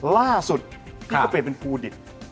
ล่าสุดพี่ก็เปลี่ยนเป็นภูดิต